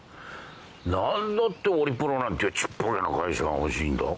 何だってオリプロなんていうちっぽけな会社が欲しいんだ？